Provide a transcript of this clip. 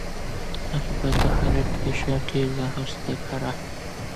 تاسو باید په هره پېښه کي له حوصلې کار واخلئ.